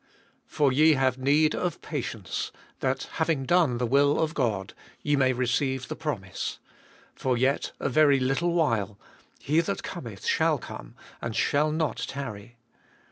For ye have need of patience, that, having done the will of God, ye may receive the promise. 37. For yet a very little while, He that cometh shall come, and shall not tarry.